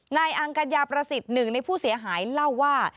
นายอังกฎยาประสิทธิ์๑ในผู้เสียหายเล่าว่า